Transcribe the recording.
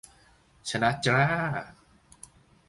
ชนะจร้า